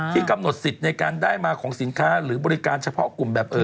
กำหนดสิทธิ์ในการได้มาของสินค้าหรือบริการเฉพาะกลุ่มแบบ